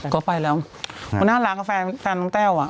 ก็ไปแล้วน่ารักกับแฟนน้องแต้ว